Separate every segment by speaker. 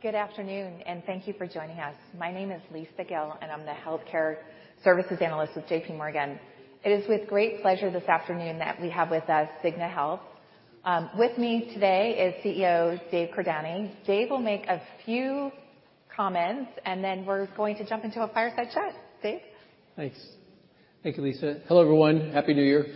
Speaker 1: Good afternoon. Thank you for joining us. My name is Lisa Gill, and I'm the healthcare services analyst with JPMorgan. It is with great pleasure this afternoon that we have with us Cigna Healthcare. With me today is CEO David Cordani. Dave will make a few comments, and then we're going to jump into a fireside chat. Dave?
Speaker 2: Thanks. Thank you, Lisa. Hello, everyone. Happy New Year.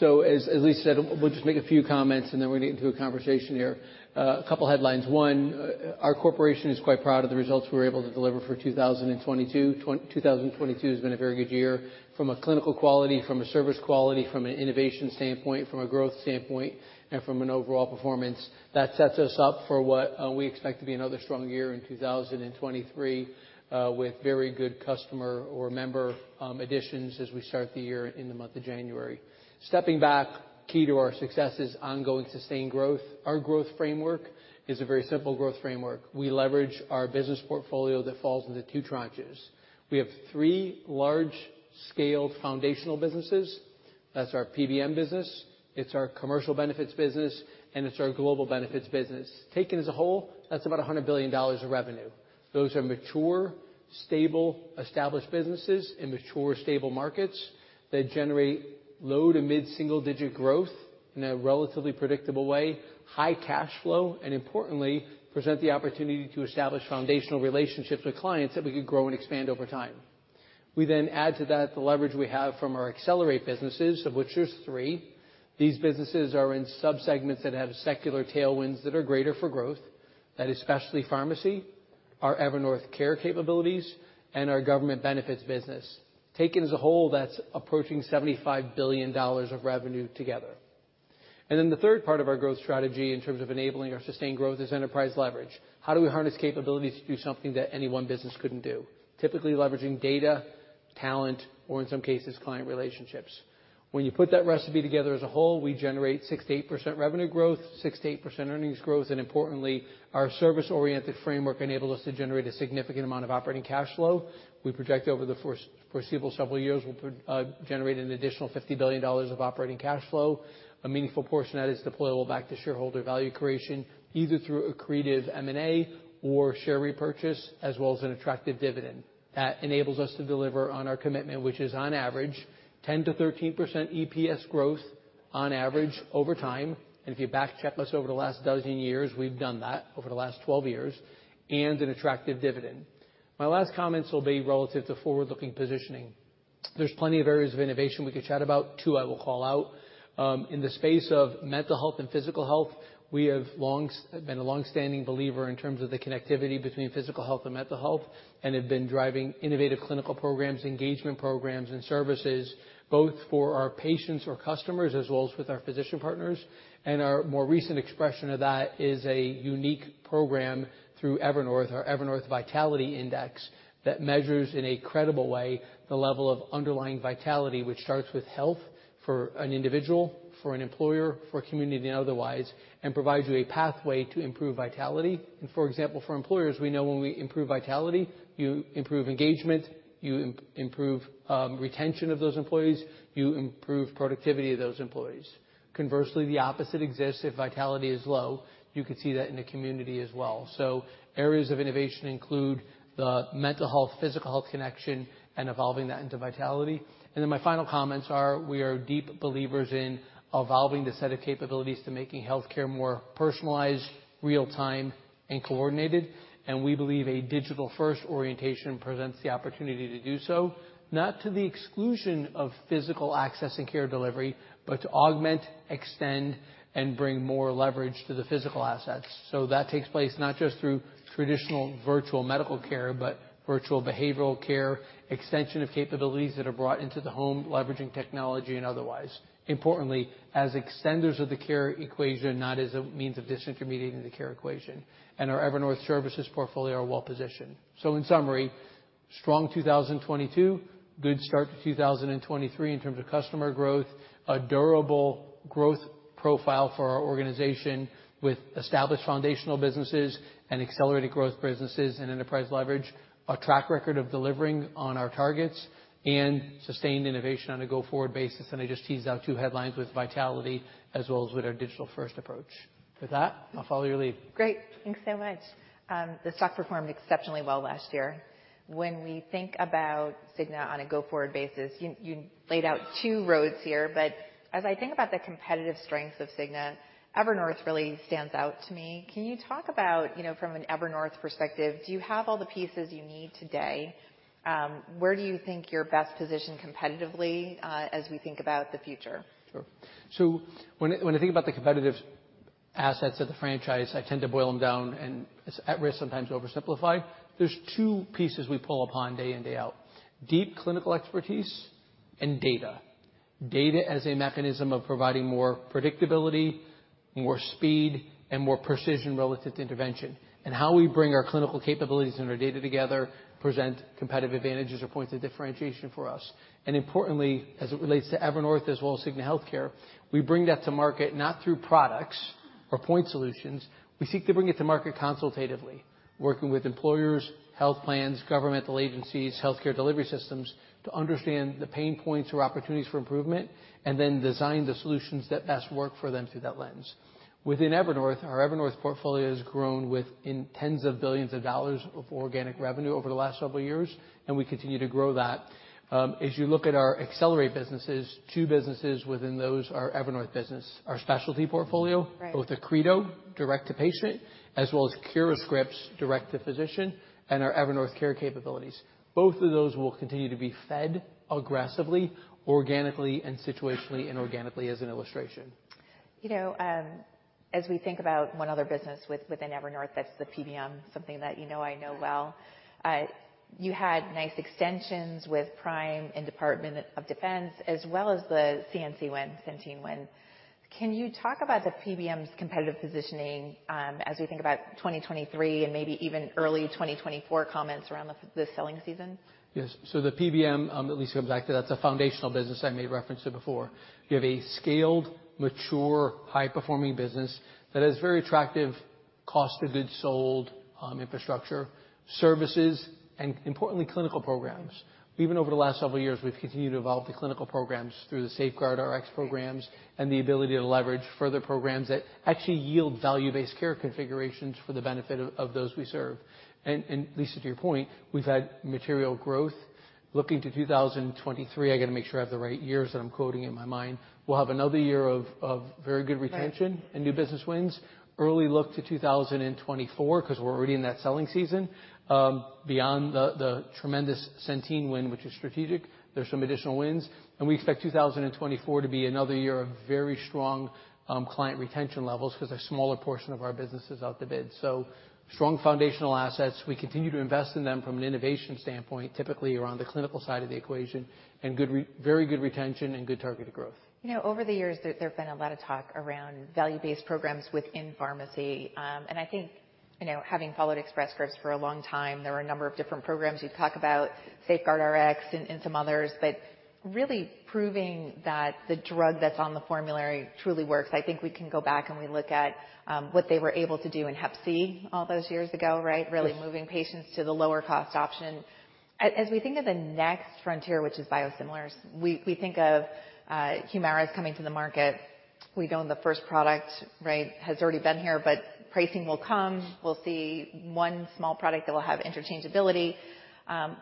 Speaker 2: As Lisa said, we'll just make a few comments, and then we're gonna get into a conversation here. A couple headlines. One, our corporation is quite proud of the results we were able to deliver for 2022. 2022 has been a very good year from a clinical quality, from a service quality, from an innovation standpoint, from a growth standpoint, and from an overall performance that sets us up for what we expect to be another strong year in 2023 with very good customer or member additions as we start the year in the month of January. Stepping back, key to our success is ongoing, sustained growth. Our growth framework is a very simple growth framework. We leverage our business portfolio that falls into two tranches. We have three large-scale foundational businesses. That's our PBM business, it's our commercial benefits business, and it's our global benefits business. Taken as a whole, that's about $100 billion of revenue. Those are mature, stable, established businesses in mature, stable markets that generate low to mid-single-digit growth in a relatively predictable way, high cash flow, and importantly, present the opportunity to establish foundational relationships with clients that we can grow and expand over time. We add to that the leverage we have from our accelerate businesses, of which there's three. These businesses are in sub-segments that have secular tailwinds that are greater for growth. That is specialty pharmacy, our Evernorth care capabilities, and our government benefits business. Taken as a whole, that's approaching $75 billion of revenue together. The third part of our growth strategy in terms of enabling our sustained growth is enterprise leverage. How do we harness capabilities to do something that any one business couldn't do? Typically leveraging data, talent or in some cases, client relationships. When you put that recipe together as a whole, we generate 6%-8% revenue growth, 6%-8% earnings growth, and importantly, our service-oriented framework enables us to generate a significant amount of operating cash flow. We project over the foreseeable several years, we'll generate an additional $50 billion of operating cash flow, a meaningful portion that is deployable back to shareholder value creation, either through accretive M&A or share repurchase, as well as an attractive dividend. That enables us to deliver on our commitment, which is on average 10%-13% EPS growth on average over time. If you back check us over the last 12 years, we've done that over the last 12 years, and an attractive dividend. My last comments will be relative to forward-looking positioning. There's plenty of areas of innovation we could chat about. Two, I will call out. In the space of mental health and physical health, we have been a long-standing believer in terms of the connectivity between physical health and mental health, and have been driving innovative clinical programs, engagement programs, and services, both for our patients or customers, as well as with our physician partners. Our more recent expression of that is a unique program through Evernorth, our Evernorth Vitality Index, that measures in a credible way the level of underlying vitality, which starts with health for an individual, for an employer, for community and otherwise, and provides you a pathway to improve vitality. For example, for employers, we know when we improve vitality, you improve engagement, you improve retention of those employees, you improve productivity of those employees. Conversely, the opposite exists if vitality is low. You could see that in the community as well. Areas of innovation include the mental health, physical health connection, and evolving that into vitality. My final comments are we are deep believers in evolving the set of capabilities to making healthcare more personalized, real-time, and coordinated. We believe a digital-first orientation presents the opportunity to do so, not to the exclusion of physical access and care delivery, but to augment, extend, and bring more leverage to the physical assets. That takes place not just through traditional virtual medical care, but virtual behavioral care, extension of capabilities that are brought into the home, leveraging technology and otherwise. Importantly, as extenders of the care equation, not as a means of disintermediating the care equation. Our Evernorth services portfolio are well positioned. In summary, strong 2022, good start to 2023 in terms of customer growth, a durable growth profile for our organization with established foundational businesses and accelerated growth businesses and enterprise leverage, a track record of delivering on our targets, and sustained innovation on a go-forward basis. I just teased out two headlines with Vitality as well as with our digital-first approach. With that, I'll follow your lead.
Speaker 1: Great. Thanks so much. The stock performed exceptionally well last year. When we think about Cigna on a go-forward basis, you laid out two roads here, but as I think about the competitive strengths of Cigna, Evernorth really stands out to me. Can you talk about, you know, from an Evernorth perspective, do you have all the pieces you need today? Where do you think you're best positioned competitively as we think about the future?
Speaker 2: Sure. When I think about the competitive assets of the franchise, I tend to boil them down and it's at risk, sometimes oversimplified. There's two pieces we pull upon day in, day out. Deep clinical expertise and data. Data as a mechanism of providing more predictability, more speed, and more precision relative to intervention, and how we bring our clinical capabilities and our data together present competitive advantages or points of differentiation for us. Importantly, as it relates to Evernorth as well as Cigna Healthcare, we bring that to market not through products or point solutions. We seek to bring it to market consultatively. Working with employers, health plans, governmental agencies, healthcare delivery systems, to understand the pain points or opportunities for improvement, and then design the solutions that best work for them through that lens. Within Evernorth, our Evernorth portfolio has grown in tens of billions of dollars of organic revenue over the last several years, and we continue to grow that. As you look at our accelerate businesses, two businesses within those are Evernorth business. Our specialty portfolio.
Speaker 1: Right.
Speaker 2: Both Accredo direct-to-patient, as well as CuraScript's direct-to-physician and our Evernorth care capabilities. Both of those will continue to be fed aggressively, organically, and situationally and organically as an illustration.
Speaker 1: You know, as we think about one other business within Evernorth, that's the PBM, something that you know I know well. You had nice extensions with Prime and Department of Defense as well as the CNC win, Centene win. Can you talk about the PBM's competitive positioning, as we think about 2023 and maybe even early 2024 comments around the selling season?
Speaker 2: The PBM at least comes back to that's a foundational business I made reference to before. You have a scaled, mature, high-performing business that has very attractive cost of goods sold, infrastructure, services, and importantly, clinical programs. Even over the last several years, we've continued to evolve the clinical programs through the SafeGuardRx programs, and the ability to leverage further programs that actually yield value-based care configurations for the benefit of those we serve. Lisa, to your point, we've had material growth. Looking to 2023, I gotta make sure I have the right years that I'm quoting in my mind. We'll have another year of very good retention.
Speaker 1: Right.
Speaker 2: New business wins. Early look to 2024, 'cause we're already in that selling season. Beyond the tremendous Centene win, which is strategic, there's some additional wins, and we expect 2024 to be another year of very strong, client retention levels 'cause a smaller portion of our business is out to bid. Strong foundational assets. We continue to invest in them from an innovation standpoint, typically around the clinical side of the equation, and very good retention and good targeted growth.
Speaker 1: You know, over the years, there's been a lot of talk around value-based programs within pharmacy. I think, you know, having followed Express Scripts for a long time, there were a number of different programs. You talk about SafeGuardRx and some others, but really proving that the drug that's on the formulary truly works. I think we can go back and we look at what they were able to do in Hep C all those years ago, right?
Speaker 2: Yes.
Speaker 1: Really moving patients to the lower cost option. As we think of the next frontier, which is biosimilars, we think of HUMIRA's coming to the market. We know the first product, right, has already been here, but pricing will come. We'll see one small product that will have interchangeability.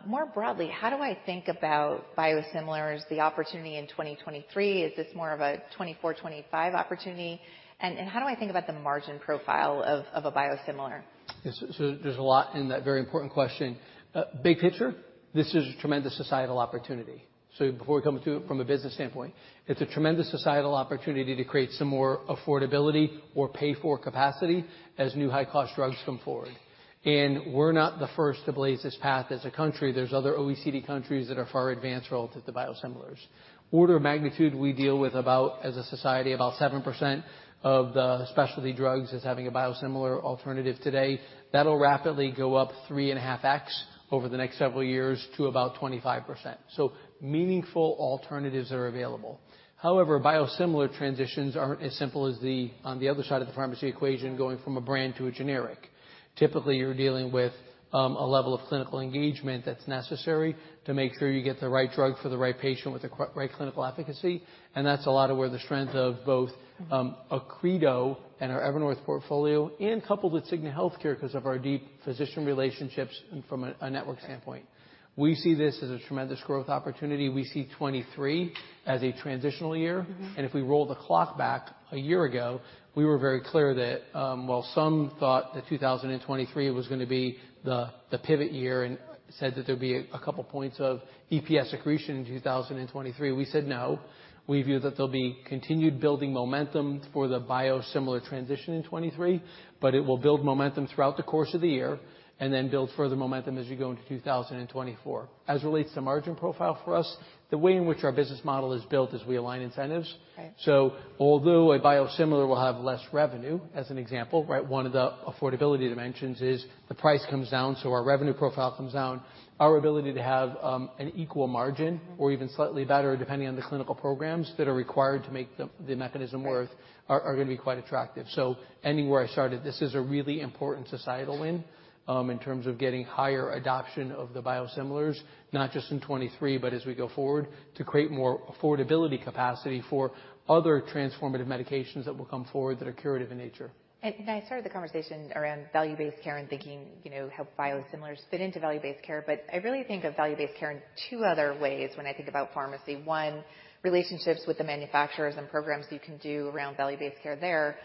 Speaker 1: More broadly, how do I think about biosimilars, the opportunity in 2023? Is this more of a 2024, 2025 opportunity? How do I think about the margin profile of a biosimilar?
Speaker 2: Yes. There's a lot in that very important question. Big picture, this is a tremendous societal opportunity. Before we come to it from a business standpoint, it's a tremendous societal opportunity to create some more affordability or pay for capacity as new high cost drugs come forward. We're not the first to blaze this path as a country. There's other OECD countries that are far advanced relative to biosimilars. Order of magnitude we deal with about, as a society, about 7% of the specialty drugs as having a biosimilar alternative today. That'll rapidly go up 3.5x over the next several years to about 25%. Meaningful alternatives are available. However, biosimilar transitions aren't as simple as the on the other side of the pharmacy equation going from a brand to a generic. Typically, you're dealing with a level of clinical engagement that's necessary to make sure you get the right drug for the right patient with the right clinical efficacy, and that's a lot of where the strength of both Accredo and our Evernorth portfolio and coupled with Cigna Healthcare because of our deep physician relationships from a network standpoint. We see this as a tremendous growth opportunity. We see 2023 as a transitional year. If we roll the clock back a year ago, we were very clear that, while some thought that 2023 was gonna be the pivot year and said that there'd be a couple points of EPS accretion in 2023, we said, no, we view that there'll be continued building momentum for the biosimilar transition in 23, but it will build momentum throughout the course of the year and then build further momentum as we go into 2024. As it relates to margin profile for us, the way in which our business model is built is we align incentives.
Speaker 1: Right.
Speaker 2: Although a biosimilar will have less revenue as an example, right? One of the affordability dimensions is the price comes down, so our revenue profile comes down. Our ability to have an equal margin- Even slightly better, depending on the clinical programs that are required to make the mechanism work, are gonna be quite attractive. Anywhere I started, this is a really important societal win in terms of getting higher adoption of the biosimilars, not just in 23, but as we go forward to create more affordability capacity for other transformative medications that will come forward that are curative in nature.
Speaker 1: I started the conversation around value-based care and thinking, you know, how biosimilars fit into value-based care, but I really think of value-based care in two other ways when I think about pharmacy. One, relationships with the manufacturers and programs you can do around value-based care there.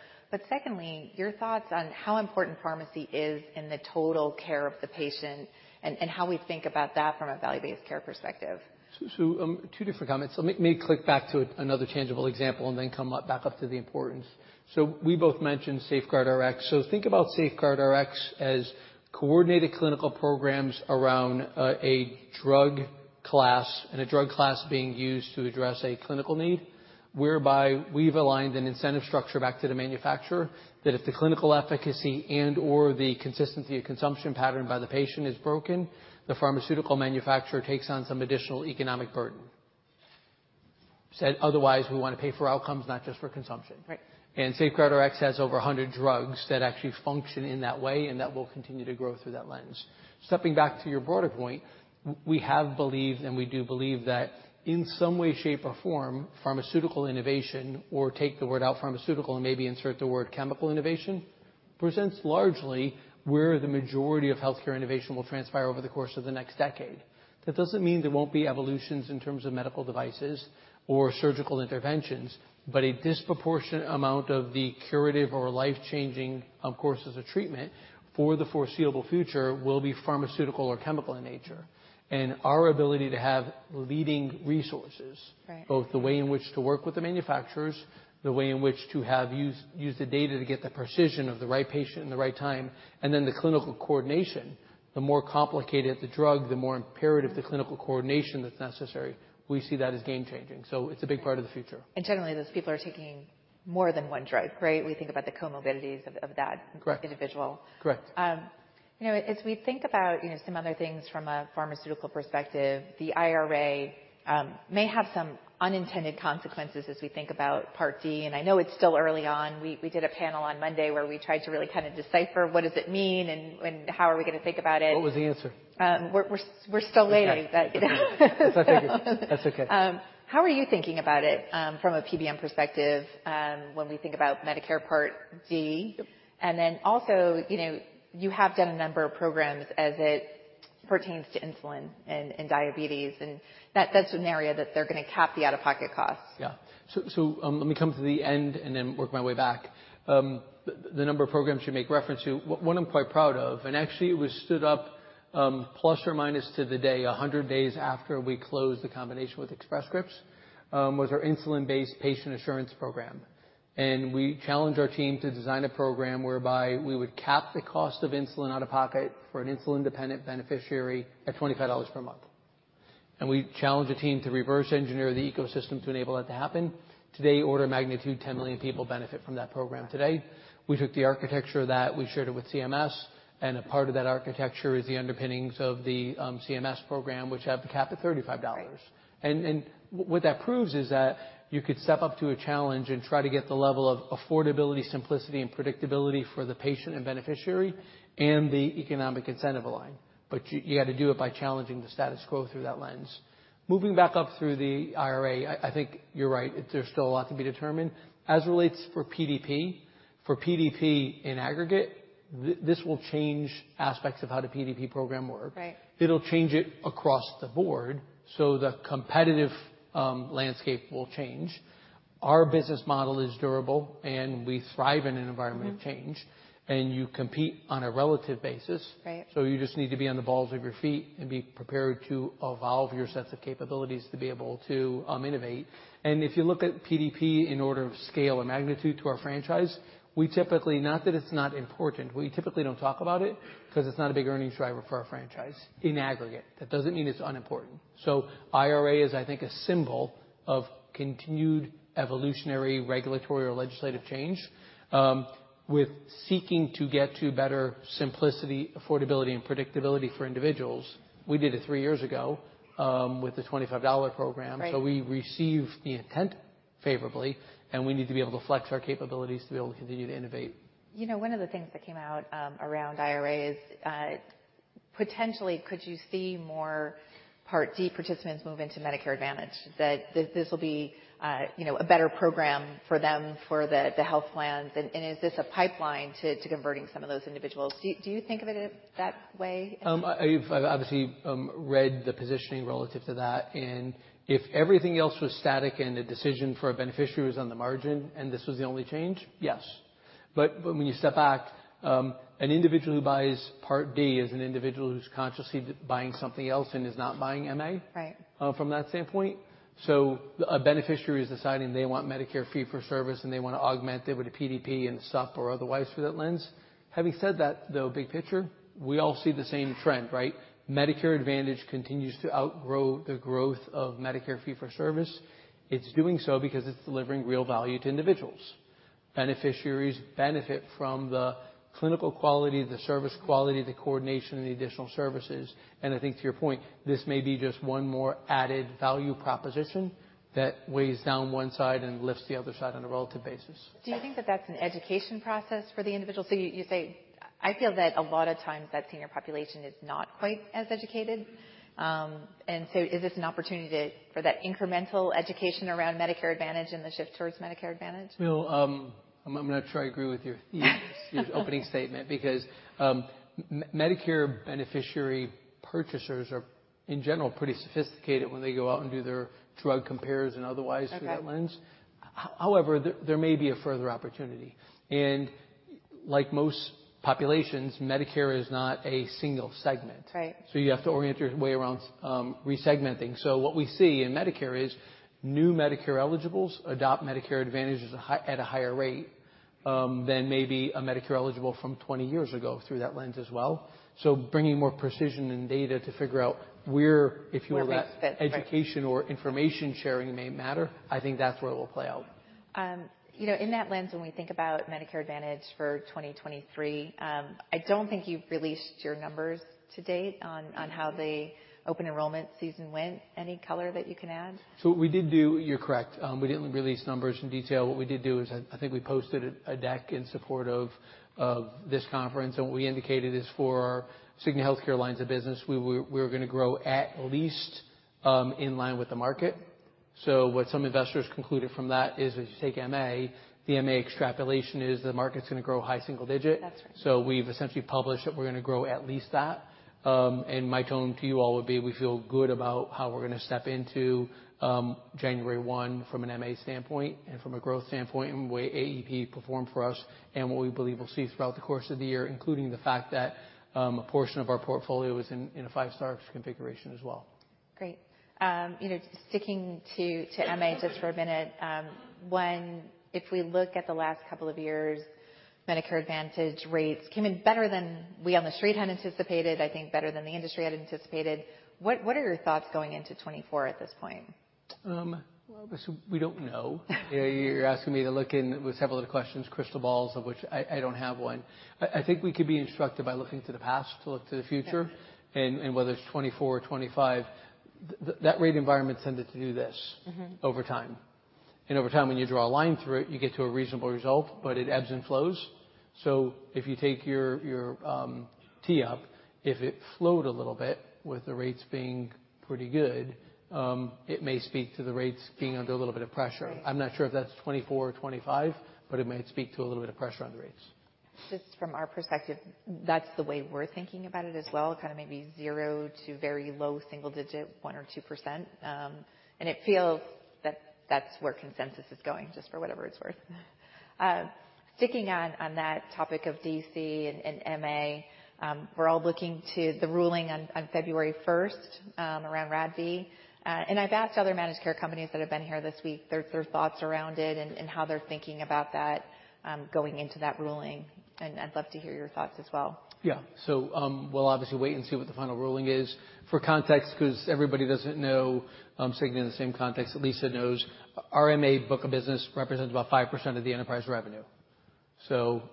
Speaker 1: Secondly, your thoughts on how important pharmacy is in the total care of the patient and how we think about that from a value-based care perspective.
Speaker 2: Two different comments. Let me click back to another tangible example and then come back up to the importance. We both mentioned SafeGuardRx. Think about SafeGuardRx as coordinated clinical programs around a drug class, and a drug class being used to address a clinical need, whereby we've aligned an incentive structure back to the manufacturer that if the clinical efficacy and/or the consistency of consumption pattern by the patient is broken, the pharmaceutical manufacturer takes on some additional economic burden. Said otherwise, we wanna pay for outcomes, not just for consumption.
Speaker 1: Right.
Speaker 2: SafeGuardRx has over 100 drugs that actually function in that way, and that will continue to grow through that lens. Stepping back to your broader point, we have believed, and we do believe that in some way, shape, or form, pharmaceutical innovation, or take the word out pharmaceutical and maybe insert the word chemical innovation, presents largely where the majority of healthcare innovation will transpire over the course of the next decade. That doesn't mean there won't be evolutions in terms of medical devices or surgical interventions, but a disproportionate amount of the curative or life-changing, of course, as a treatment for the foreseeable future will be pharmaceutical or chemical in nature. Our ability to have leading resources.
Speaker 1: Right.
Speaker 2: both the way in which to work with the manufacturers, the way in which to have use the data to get the precision of the right patient and the right time, and then the clinical coordination. The more complicated the drug, the more imperative the clinical coordination that's necessary. We see that as game-changing. It's a big part of the future.
Speaker 1: Generally, those people are taking more than one drug, right? We think about the comorbidities of that.
Speaker 2: Correct.
Speaker 1: -individual.
Speaker 2: Correct.
Speaker 1: You know, as we think about, you know, some other things from a pharmaceutical perspective, the IRA may have some unintended consequences as we think about Part D, and I know it's still early on. We did a panel on Monday where we tried to really kinda decipher what does it mean and how are we gonna think about it.
Speaker 2: What was the answer?
Speaker 1: We're still waiting.
Speaker 2: Okay.
Speaker 1: you know.
Speaker 2: That's okay. That's okay.
Speaker 1: How are you thinking about it, from a PBM perspective, when we think about Medicare Part D?
Speaker 2: Yep.
Speaker 1: You know, you have done a number of programs as it pertains to insulin and diabetes, and that's an area that they're gonna cap the out-of-pocket costs.
Speaker 2: Yeah. Let me come to the end and then work my way back. The number of programs you make reference to, one I'm quite proud of, and actually it was stood up, plus or minus to the day, 100 days after we closed the combination with Express Scripts, was our insulin-based patient assurance program. We challenged our team to design a program whereby we would cap the cost of insulin out of pocket for an insulin-dependent beneficiary at $25 per month. We challenged the team to reverse engineer the ecosystem to enable that to happen. Today, order of magnitude, 10 million people benefit from that program today. We took the architecture that we shared it with CMS, and a part of that architecture is the underpinnings of the CMS program, which have the cap at $35.
Speaker 1: Right.
Speaker 2: What that proves is that you could step up to a challenge and try to get the level of affordability, simplicity, and predictability for the patient and beneficiary and the economic incentive align. You had to do it by challenging the status quo through that lens. Moving back up through the IRA, I think you're right. There's still a lot to be determined. As it relates for PDP. For PDP in aggregate, this will change aspects of how the PDP program work.
Speaker 1: Right.
Speaker 2: It'll change it across the board. The competitive landscape will change. Our business model is durable. We thrive in an environment of change. You compete on a relative basis.
Speaker 1: Right.
Speaker 2: You just need to be on the balls of your feet and be prepared to evolve your sets of capabilities to be able to innovate. If you look at PDP in order of scale and magnitude to our franchise, Not that it's not important, we typically don't talk about it because it's not a big earnings driver for our franchise in aggregate. That doesn't mean it's unimportant. IRA is, I think, a symbol of continued evolutionary regulatory or legislative change with seeking to get to better simplicity, affordability, and predictability for individuals. We did it three years ago with the $25 program.
Speaker 1: Right.
Speaker 2: We received the intent favorably, and we need to be able to flex our capabilities to be able to continue to innovate.
Speaker 1: You know, one of the things that came out around IRA is potentially could you see more Part D participants move into Medicare Advantage? This will be, you know, a better program for them, for the health plans, and is this a pipeline to converting some of those individuals? Do you think of it that way?
Speaker 2: I've obviously, read the positioning relative to that, and if everything else was static and the decision for a beneficiary was on the margin and this was the only change, yes. When you step back, an individual who buys Part D is an individual who's consciously buying something else and is not buying MA-
Speaker 1: Right.
Speaker 2: From that standpoint. A beneficiary is deciding they want Medicare fee for service, and they wanna augment it with a PDP and SUP or otherwise through that lens. Having said that, though, big picture, we all see the same trend, right? Medicare Advantage continues to outgrow the growth of Medicare fee for service. It's doing so because it's delivering real value to individuals. Beneficiaries benefit from the clinical quality, the service quality, the coordination, and the additional services. I think to your point, this may be just one more added value proposition that weighs down one side and lifts the other side on a relative basis.
Speaker 1: Do you think that that's an education process for the individual? You say. I feel that a lot of times that senior population is not quite as educated. Is this an opportunity for that incremental education around Medicare Advantage and the shift towards Medicare Advantage?
Speaker 2: I'm gonna try to agree with your opening statement because Medicare beneficiary purchasers are, in general, pretty sophisticated when they go out and do their drug compares and otherwise.
Speaker 1: Okay.
Speaker 2: through that lens. However, there may be a further opportunity. Like most populations, Medicare is not a single segment.
Speaker 1: Right.
Speaker 2: You have to orient your way around re-segmenting. What we see in Medicare is new Medicare eligibles adopt Medicare Advantage at a higher rate than maybe a Medicare eligible from 20 years ago through that lens as well. Bringing more precision and data to figure out where, if you will.
Speaker 1: Where that's right.
Speaker 2: Education or information sharing may matter, I think that's where it will play out.
Speaker 1: You know, in that lens, when we think about Medicare Advantage for 2023, I don't think you've released your numbers to date on how the open enrollment season went. Any color that you can add?
Speaker 2: What we did do. You're correct. We didn't release numbers in detail. What we did do is I think we posted a deck in support of this conference, and what we indicated is for Cigna Healthcare lines of business, we were gonna grow at least in line with the market. What some investors concluded from that is if you take MA, the MA extrapolation is the market's gonna grow high single digit.
Speaker 1: That's right.
Speaker 2: We've essentially published that we're gonna grow at least that. My tone to you all would be, we feel good about how we're gonna step into January one from an MA standpoint and from a growth standpoint and the way AEP performed for us and what we believe we'll see throughout the course of the year, including the fact that a portion of our portfolio is in a five-star configuration as well.
Speaker 1: Great. you know, sticking to MA just for a minute, if we look at the last couple of years, Medicare Advantage rates came in better than we on the street had anticipated, I think better than the industry had anticipated. What, what are your thoughts going into 2024 at this point?
Speaker 2: Well, we don't know. You're asking me to look in, with several other questions, crystal balls, of which I don't have one. I think we could be instructed by looking to the past to look to the future.
Speaker 1: Yeah.
Speaker 2: Whether it's 2024 or 2025, that rate environment tended to do this.... over time. Over time, when you draw a line through it, you get to a reasonable result, but it ebbs and flows. If you take your T-up, if it flowed a little bit with the rates being pretty good, it may speak to the rates being under a little bit of pressure.
Speaker 1: Right.
Speaker 2: I'm not sure if that's 2024 or 2025, but it might speak to a little bit of pressure on the rates.
Speaker 1: Just from our perspective, that's the way we're thinking about it as well. Kinda maybe 0-2%. It feels that that's where consensus is going, just for whatever it's worth. Sticking on that topic of D.C. and MA, we're all looking to the ruling on February 1st around RADV. I've asked other managed care companies that have been here this week their thoughts around it and how they're thinking about that going into that ruling, I'd love to hear your thoughts as well.
Speaker 2: Yeah. We'll obviously wait and see what the final ruling is. For context, 'cause everybody doesn't know, Cigna in the same context that Lisa knows, our MA book of business represents about 5% of the enterprise revenue.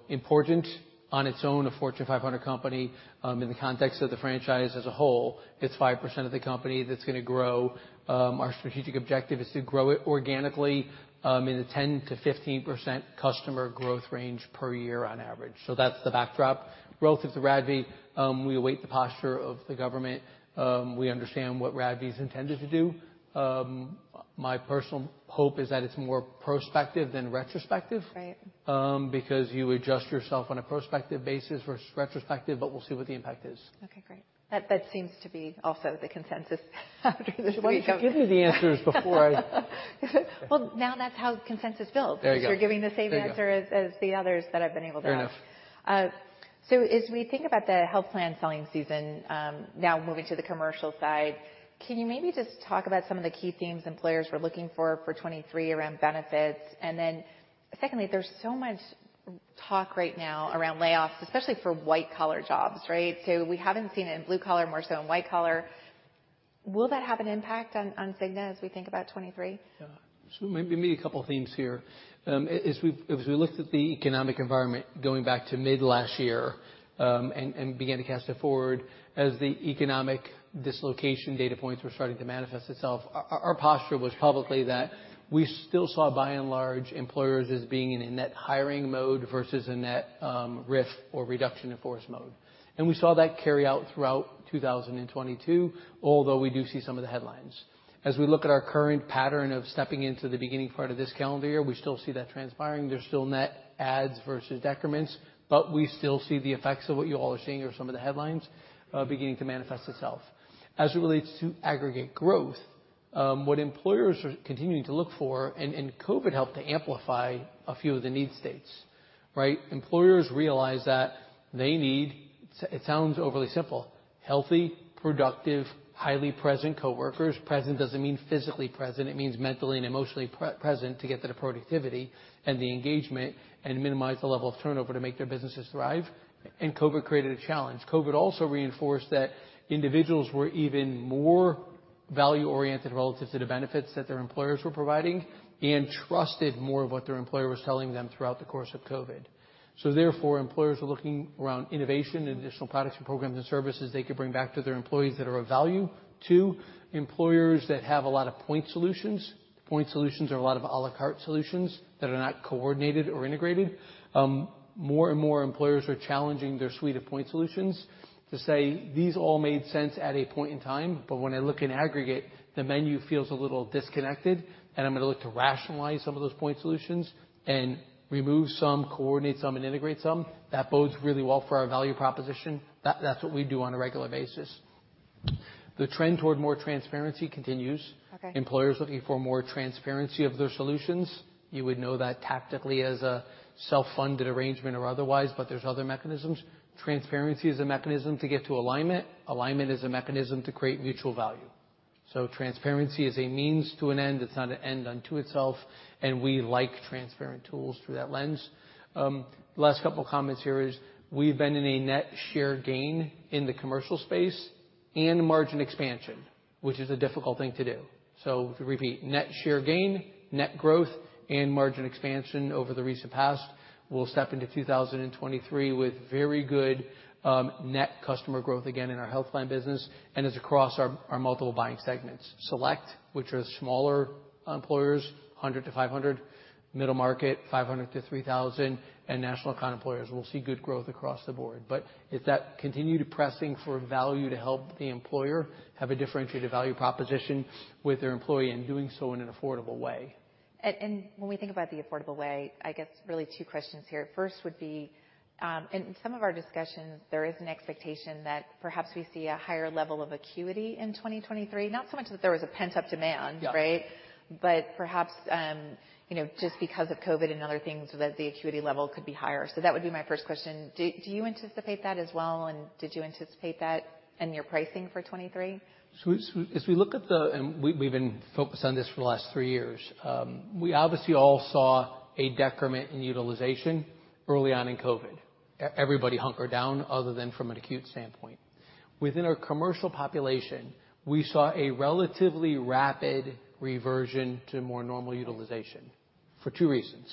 Speaker 2: Important on its own, a Fortune 500 company. In the context of the franchise as a whole, it's 5% of the company that's gonna grow. Our strategic objective is to grow it organically, in the 10%-15% customer growth range per year on average. That's the backdrop. Relative to RADV, we await the posture of the government. We understand what RADV's intended to do. My personal hope is that it's more prospective than retrospective.
Speaker 1: Right.
Speaker 2: Because you adjust yourself on a prospective basis versus retrospective. We'll see what the impact is.
Speaker 1: Okay, great. That seems to be also the consensus after this week.
Speaker 2: Why don't you give me the answers before I...
Speaker 1: Well, now that's how consensus builds.
Speaker 2: There you go.
Speaker 1: Cause you're giving the same answer.
Speaker 2: There you go....
Speaker 1: as the others that I've been able.
Speaker 2: Fair enough.
Speaker 1: As we think about the health plan selling season, now moving to the commercial side, can you maybe just talk about some of the key themes employers were looking for for 2023 around benefits? Secondly, there's so much talk right now around layoffs, especially for white-collar jobs, right? We haven't seen it in blue collar, more so in white collar. Will that have an impact on Cigna as we think about 2023?
Speaker 2: Yeah. Maybe me a couple themes here. As we looked at the economic environment going back to mid last year, began to cast it forward, as the economic dislocation data points were starting to manifest itself, our posture was publicly that we still saw by and large employers as being in a net hiring mode versus a net RIF or reduction in force mode. We saw that carry out throughout 2022, although we do see some of the headlines. As we look at our current pattern of stepping into the beginning part of this calendar year, we still see that transpiring. There's still net adds versus decrements, but we still see the effects of what you all are seeing or some of the headlines beginning to manifest itself. As it relates to aggregate growth, what employers are continuing to look for, and COVID helped to amplify a few of the need states, right? Employers realize that they need, it sounds overly simple, healthy, productive, highly present coworkers. Present doesn't mean physically present, it means mentally and emotionally present to get to the productivity and the engagement and minimize the level of turnover to make their businesses thrive. COVID created a challenge. COVID also reinforced that individuals were even more value-oriented relative to the benefits that their employers were providing and trusted more of what their employer was telling them throughout the course of COVID. Therefore, employers are looking around innovation and additional products and programs and services they could bring back to their employees that are of value. Two, employers that have a lot of point solutions. Point solutions are a lot of à la carte solutions that are not coordinated or integrated. More and more employers are challenging their suite of point solutions to say, "These all made sense at a point in time, but when I look in aggregate, the menu feels a little disconnected, and I'm gonna look to rationalize some of those point solutions and remove some, coordinate some, and integrate some." That bodes really well for our value proposition. That's what we do on a regular basis. The trend toward more transparency continues.
Speaker 1: Okay.
Speaker 2: Employers looking for more transparency of their solutions. You would know that tactically as a self-funded arrangement or otherwise, but there's other mechanisms. Transparency is a mechanism to get to alignment. Alignment is a mechanism to create mutual value. Transparency is a means to an end. It's not an end unto itself, and we like transparent tools through that lens. Last couple comments here is we've been in a net share gain in the commercial space and margin expansion, which is a difficult thing to do. To repeat, net share gain, net growth, and margin expansion over the recent past. We'll step into 2023 with very good net customer growth again in our health plan business, and it's across our multiple buying segments. Select, which are smaller employers, 100-500, middle market, 500-3,000, and national account employers will see good growth across the board. It's that continued pressing for value to help the employer have a differentiated value proposition with their employee and doing so in an affordable way.
Speaker 1: When we think about the affordable way, I guess really two questions here. First would be, in some of our discussions, there is an expectation that perhaps we see a higher level of acuity in 2023. Not so much that there was a pent-up demand, right?
Speaker 2: Yeah.
Speaker 1: Perhaps, you know, just because of COVID and other things so that the acuity level could be higher. That would be my first question. Do you anticipate that as well, and did you anticipate that in your pricing for 2023?
Speaker 2: As we look at the... We've been focused on this for the last three years. We obviously all saw a decrement in utilization early on in COVID. Everybody hunkered down other than from an acute standpoint. Within our commercial population, we saw a relatively rapid reversion to more normal utilization for two reasons.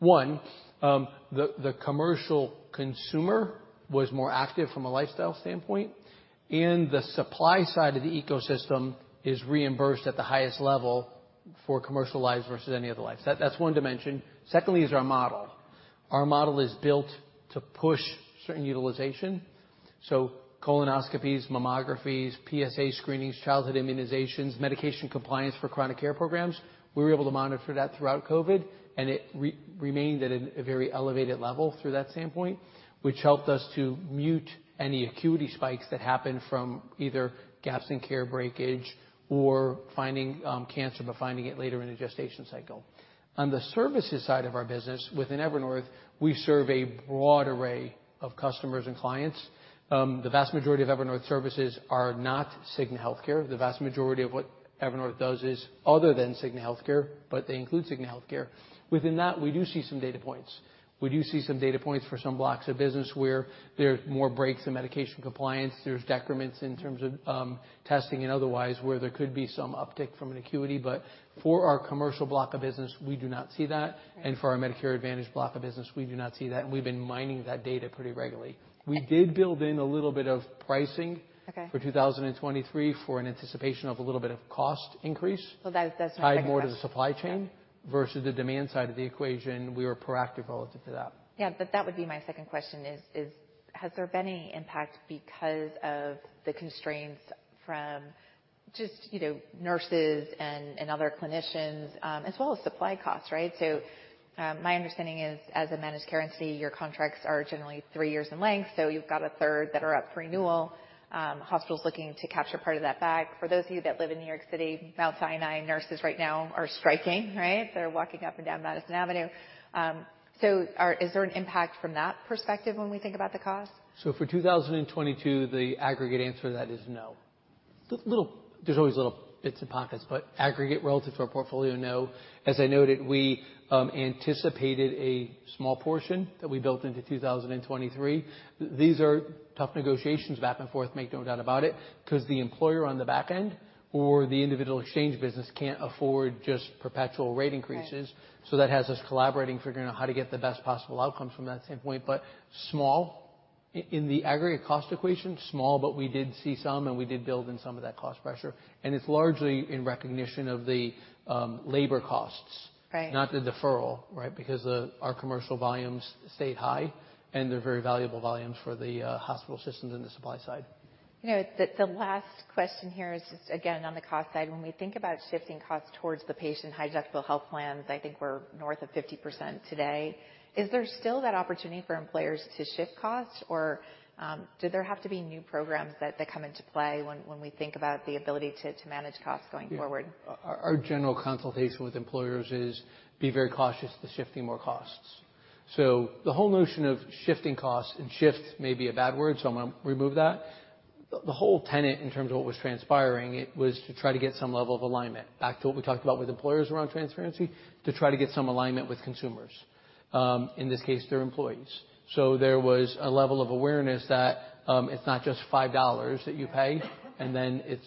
Speaker 2: One, the commercial consumer was more active from a lifestyle standpoint, and the supply side of the ecosystem is reimbursed at the highest level for commercial lives versus any other lives. That's one dimension. Secondly is our model. Our model is built to push certain utilization, so colonoscopies, mammographies, PSA screenings, childhood immunizations, medication compliance for chronic care programs. We were able to monitor that throughout COVID, it remained at a very elevated level through that standpoint, which helped us to mute any acuity spikes that happened from either gaps in care breakage or finding cancer, but finding it later in a gestation cycle. On the services side of our business, within Evernorth, we serve a broad array of customers and clients. The vast majority of Evernorth services are not Cigna Healthcare. The vast majority of what Evernorth does is other than Cigna Healthcare, they include Cigna Healthcare. Within that, we do see some data points. We do see some data points for some blocks of business where there's more breaks in medication compliance, there's decrements in terms of testing and otherwise, where there could be some uptick from an acuity. For our commercial block of business, we do not see that.
Speaker 1: Right.
Speaker 2: For our Medicare Advantage block of business, we do not see that, and we've been mining that data pretty regularly. We did build in a little bit of.
Speaker 1: Okay.
Speaker 2: -for 2023 for an anticipation of a little bit of cost increase.
Speaker 1: That, that's my next question?
Speaker 2: Tied more to the supply chain versus the demand side of the equation. We were proactive relative to that.
Speaker 1: That would be my second question is, has there been any impact because of the constraints from just, you know, nurses and other clinicians, as well as supply costs, right? My understanding is, as a managed care entity, your contracts are generally three years in length, so you've got a third that are up for renewal. Hospitals looking to capture part of that bag. For those of you that live in New York City, Mount Sinai nurses right now are striking, right? They're walking up and down Madison Avenue. Is there an impact from that perspective when we think about the cost?
Speaker 2: For 2022, the aggregate answer to that is no. There's always little bits and pockets, but aggregate relative to our portfolio, no. As I noted, we anticipated a small portion that we built into 2023. These are tough negotiations back and forth, make no doubt about it, 'cause the employer on the back end or the individual exchange business can't afford just perpetual rate increases.
Speaker 1: Right.
Speaker 2: That has us collaborating, figuring out how to get the best possible outcomes from that standpoint. Small in the aggregate cost equation, but we did see some, and we did build in some of that cost pressure. It's largely in recognition of the labor costs.
Speaker 1: Right.
Speaker 2: -not the deferral, right? Our commercial volumes stayed high, and they're very valuable volumes for the hospital systems in the supply side.
Speaker 1: You know, the last question here is just again, on the cost side. When we think about shifting costs towards the patient, high deductible health plans, I think we're north of 50% today. Is there still that opportunity for employers to shift costs? Do there have to be new programs that come into play when we think about the ability to manage costs going forward?
Speaker 2: Our general consultation with employers is be very cautious to shifting more costs. The whole notion of shifting costs, and shift may be a bad word. I'm gonna remove that. The whole tenet in terms of what was transpiring, it was to try to get some level of alignment. Back to what we talked about with employers around transparency, to try to get some alignment with consumers, in this case, their employees. There was a level of awareness that it's not just $5 that you pay and then it's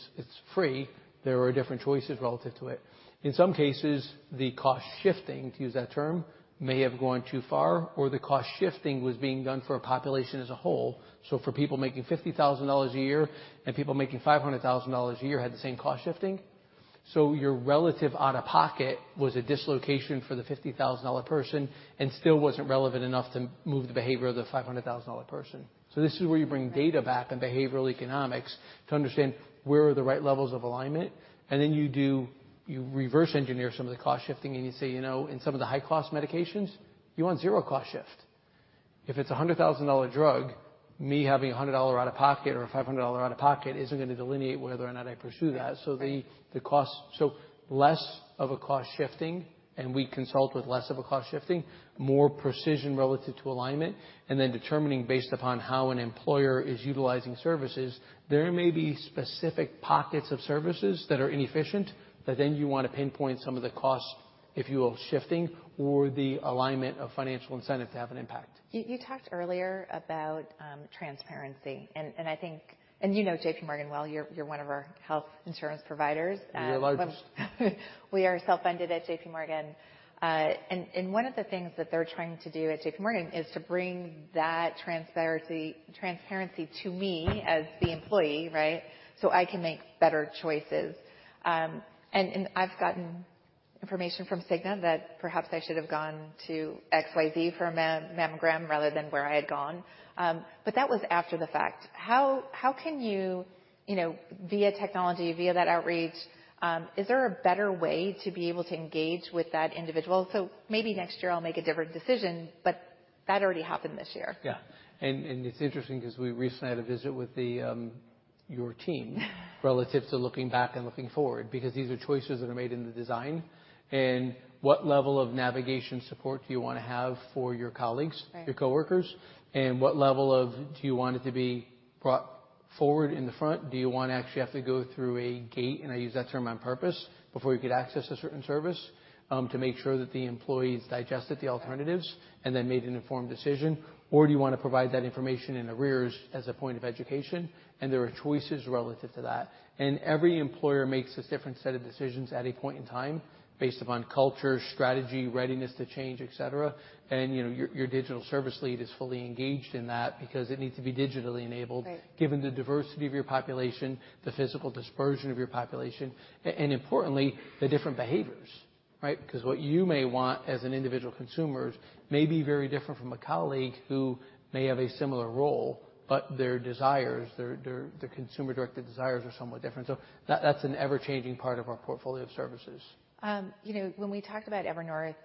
Speaker 2: free. There are different choices relative to it. In some cases, the cost shifting, to use that term, may have gone too far, or the cost shifting was being done for a population as a whole. For people making $50,000 a year and people making $500,000 a year had the same cost shifting. Your relative out-of-pocket was a dislocation for the $50,000 person and still wasn't relevant enough to move the behavior of the $500,000 person. This is where you bring data back and behavioral economics to understand where are the right levels of alignment, and then you reverse engineer some of the cost shifting, and you say, you know, in some of the high cost medications, you want zero cost shift. If it's a $100,000 drug, me having a $100 out of pocket or a $500 out of pocket isn't gonna delineate whether or not I pursue that.
Speaker 1: Right.
Speaker 2: Less of a cost shifting, and we consult with less of a cost shifting, more precision relative to alignment, and then determining based upon how an employer is utilizing services. There may be specific pockets of services that are inefficient that then you want to pinpoint some of the costs, if you will, shifting or the alignment of financial incentive to have an impact.
Speaker 1: You talked earlier about transparency, and I think. You know JPMorgan well. You're one of our health insurance providers.
Speaker 2: We are large.
Speaker 1: We are self-funded at JPMorgan. One of the things that they're trying to do at JPMorgan is to bring that transparency to me as the employee, right? I can make better choices. I've gotten information from Cigna that perhaps I should have gone to XYZ for a mammogram rather than where I had gone. That was after the fact. How can you know, via technology, via that outreach, is there a better way to be able to engage with that individual? Maybe next year I'll make a different decision. That already happened this year.
Speaker 2: Yeah. It's interesting because we recently had a visit with the, your team relative to looking back and looking forward, because these are choices that are made in the design. What level of navigation support do you wanna have for your colleagues.
Speaker 1: Right.
Speaker 2: -your coworkers, and what level of do you want it to be brought forward in the front? Do you wanna actually have to go through a gate, and I use that term on purpose, before you could access a certain service, to make sure that the employees digested the alternatives and then made an informed decision, or do you wanna provide that information in the rears as a point of education? There are choices relative to that. Every employer makes this different set of decisions at a point in time based upon culture, strategy, readiness to change, et cetera. You know, your digital service lead is fully engaged in that because it needs to be digitally enabled-
Speaker 1: Right.
Speaker 2: given the diversity of your population, the physical dispersion of your population, and importantly, the different behaviors, right? What you may want as an individual consumer may be very different from a colleague who may have a similar role, but their desires, their consumer-directed desires are somewhat different. That's an ever-changing part of our portfolio of services.
Speaker 1: You know, when we talked about Evernorth,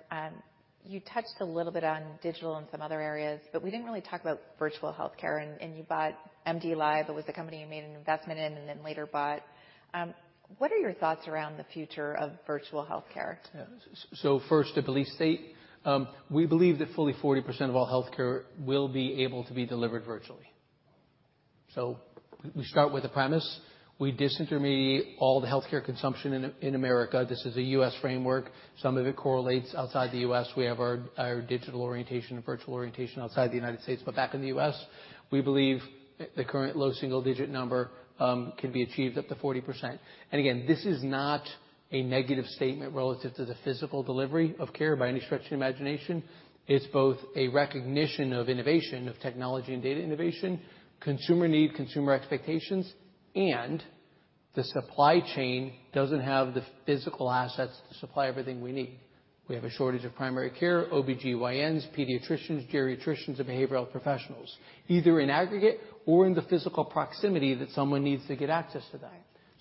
Speaker 1: you touched a little bit on digital and some other areas, but we didn't really talk about virtual healthcare and you bought MDLIVE. It was a company you made an investment in and then later bought. What are your thoughts around the future of virtual healthcare?
Speaker 2: Yeah. First, a belief state, we believe that fully 40% of all healthcare will be able to be delivered virtually. We start with the premise. We disintermediate all the healthcare consumption in America. This is a U.S. framework. Some of it correlates outside the U.S. We have our digital orientation and virtual orientation outside the United States, back in the U.S., we believe the current low single-digit number can be achieved up to 40%. Again, this is not a negative statement relative to the physical delivery of care by any stretch of the imagination. It's both a recognition of innovation, of technology and data innovation, consumer need, consumer expectations, and the supply chain doesn't have the physical assets to supply everything we need. We have a shortage of primary care, OB-GYNs, pediatricians, geriatricians, and behavioral health professionals, either in aggregate or in the physical proximity that someone needs to get access to that.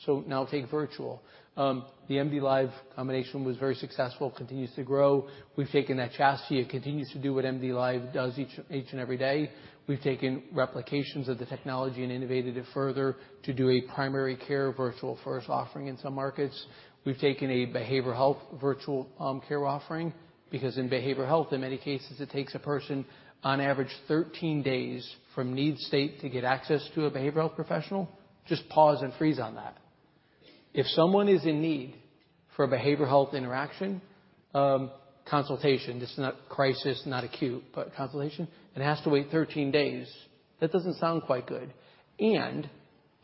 Speaker 1: Right.
Speaker 2: Now take virtual. The MDLIVE combination was very successful, continues to grow. We've taken that chassis. It continues to do what MDLIVE does each and every day. We've taken replications of the technology and innovated it further to do a primary care virtual first offering in some markets. We've taken a behavioral health virtual care offering because in behavioral health, in many cases, it takes a person on average 13 days from need state to get access to a behavioral health professional. Just pause and freeze on that. If someone is in need for a behavioral health interaction, consultation, this is not crisis, not acute, but consultation, and has to wait 13 days, that doesn't sound quite good.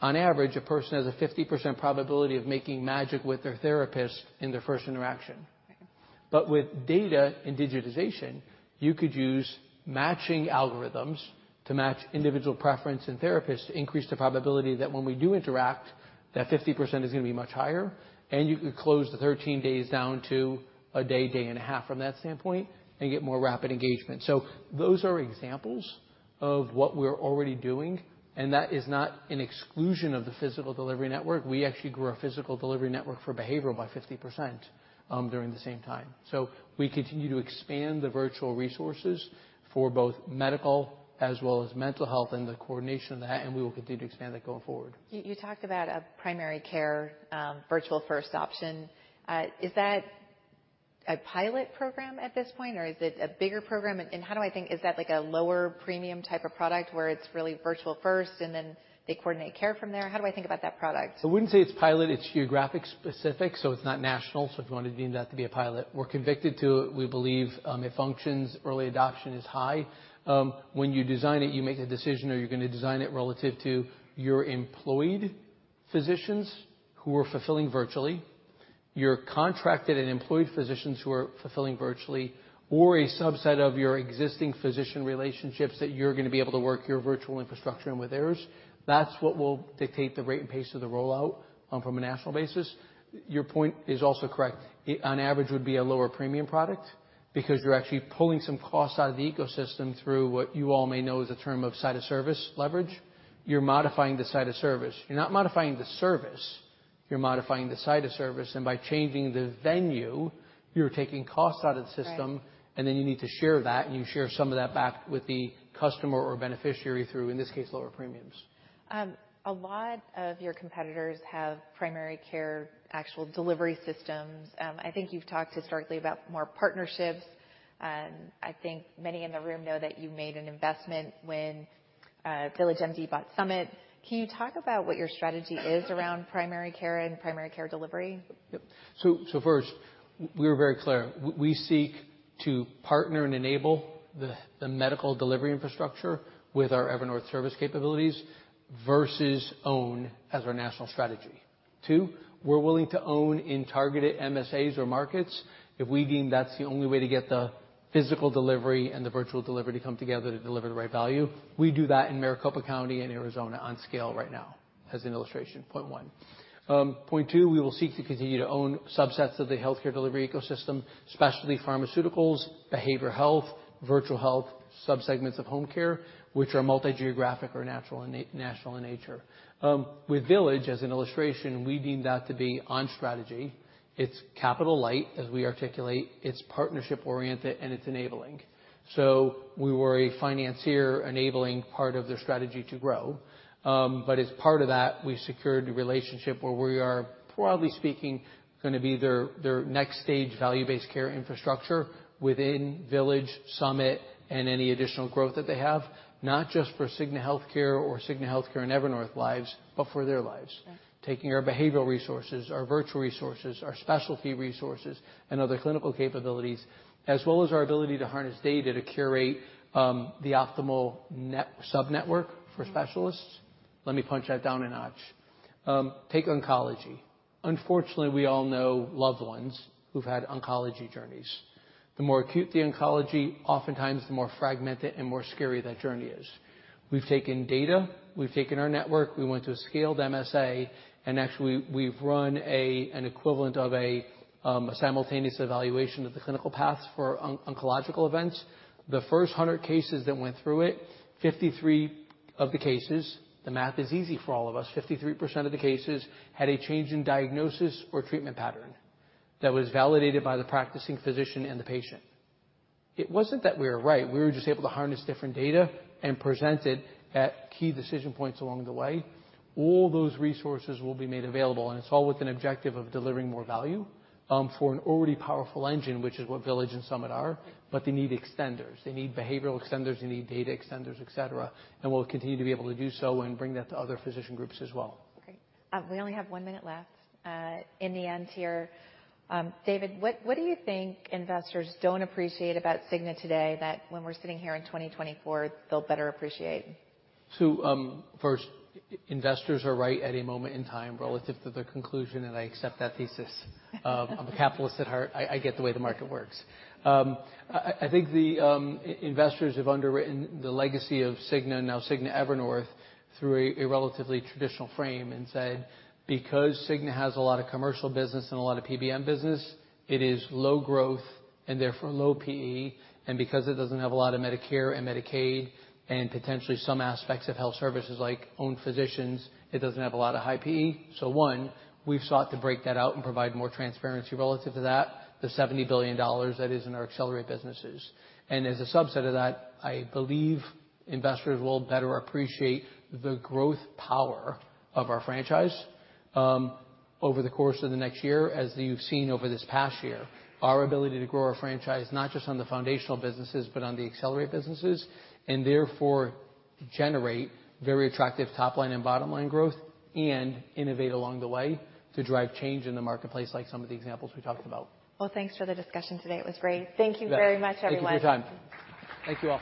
Speaker 2: On average, a person has a 50% probability of making magic with their therapist in their first interaction.
Speaker 1: Right.
Speaker 2: With data and digitization, you could use matching algorithms to match individual preference and therapists to increase the probability that when we do interact, that 50% is gonna be much higher, and you could close the 13 days down to a day and a half from that standpoint and get more rapid engagement. Those are examples of what we're already doing, and that is not an exclusion of the physical delivery network. We actually grew our physical delivery network for behavioral by 50%, during the same time. We continue to expand the virtual resources for both medical as well as mental health and the coordination of that, and we will continue to expand that going forward.
Speaker 1: You talked about a primary care, virtual first option. Is that a pilot program at this point, or is it a bigger program? How do I think... Is that like a lower premium type of product where it's really virtual first and then they coordinate care from there? How do I think about that product?
Speaker 2: I wouldn't say it's pilot. It's geographic specific, so it's not national, so if you want to deem that to be a pilot. We're convicted to it. We believe it functions. Early adoption is high. When you design it, you make the decision, are you gonna design it relative to your employed physicians who are fulfilling virtually, your contracted and employed physicians who are fulfilling virtually, or a subset of your existing physician relationships that you're gonna be able to work your virtual infrastructure in with theirs? That's what will dictate the rate and pace of the rollout from a national basis. Your point is also correct. It, on average, would be a lower premium product because you're actually pulling some costs out of the ecosystem through what you all may know as a term of site of service leverage. You're modifying the site of service. You're not modifying the service, you're modifying the site of service, and by changing the venue, you're taking costs out of the system.
Speaker 1: Right.
Speaker 2: You need to share that, and you share some of that back with the customer or beneficiary through, in this case, lower premiums.
Speaker 1: A lot of your competitors have primary care actual delivery systems. I think you've talked historically about more partnerships. I think many in the room know that you made an investment when VillageMD bought Summit. Can you talk about what your strategy is around primary care and primary care delivery?
Speaker 2: Yep. First, we're very clear. We seek to partner and enable the medical delivery infrastructure with our Evernorth service capabilities versus own as our national strategy. Two, we're willing to own in targeted MSAs or markets if we deem that's the only way to get the physical delivery and the virtual delivery to come together to deliver the right value. We do that in Maricopa County in Arizona on scale right now. As an illustration, point one. Point two, we will seek to continue to own subsets of the healthcare delivery ecosystem, specialty pharmaceuticals, behavioral health, virtual health, subsegments of home care, which are multi-geographic or natural national in nature. With Village, as an illustration, we deem that to be on strategy. It's capital light, as we articulate, it's partnership-oriented, and it's enabling. We were a financier enabling part of their strategy to grow. As part of that, we secured a relationship where we are, broadly speaking, gonna be their next stage value-based care infrastructure within Village, Summit, and any additional growth that they have, not just for Cigna Healthcare or Cigna Healthcare and Evernorth lives, but for their lives.
Speaker 1: Yeah.
Speaker 2: Taking our behavioral resources, our virtual resources, our specialty resources, and other clinical capabilities, as well as our ability to harness data to curate, the optimal sub-network for specialists. Let me punch that down a notch. Take oncology. Unfortunately, we all know loved ones who've had oncology journeys. The more acute the oncology, oftentimes the more fragmented and more scary that journey is. We've taken data, we've taken our network, we went to a scaled MSA, and actually we've run a, an equivalent of a simultaneous evaluation of the clinical paths for oncological events. The first 100 cases that went through it, 53 of the cases, the math is easy for all of us, 53% of the cases had a change in diagnosis or treatment pattern that was validated by the practicing physician and the patient. It wasn't that we were right. We were just able to harness different data and present it at key decision points along the way. All those resources will be made available, and it's all with an objective of delivering more value for an already powerful engine, which is what VillageMD and Summit Health are, but they need extenders. They need behavioral extenders, they need data extenders, et cetera. We'll continue to be able to do so and bring that to other physician groups as well.
Speaker 1: Okay. We only have 1 minute left, in the end here. David, what do you think investors don't appreciate about Cigna today that when we're sitting here in 2024, they'll better appreciate?
Speaker 2: First, investors are right at a moment in time relative to the conclusion, and I accept that thesis. I'm a capitalist at heart. I get the way the market works. I think the investors have underwritten the legacy of Cigna, now Cigna Evernorth, through a relatively traditional frame and said, because Cigna has a lot of commercial business and a lot of PBM business, it is low growth and therefore low PE. Because it doesn't have a lot of Medicare and Medicaid and potentially some aspects of health services like own physicians, it doesn't have a lot of high PE. One, we've sought to break that out and provide more transparency relative to that, the $70 billion that is in our accelerate businesses. As a subset of that, I believe investors will better appreciate the growth power of our franchise, over the course of the next year, as you've seen over this past year, our ability to grow our franchise, not just on the foundational businesses, but on the accelerate businesses, and therefore generate very attractive top line and bottom line growth and innovate along the way to drive change in the marketplace like some of the examples we talked about.
Speaker 1: Well, thanks for the discussion today. It was great. Thank you very much, everyone.
Speaker 2: Thank you for your time. Thank you all.